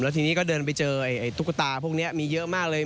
ทีนี้ก็เดินไปเจอตุ๊กตาพวกนี้มีเยอะมากเลย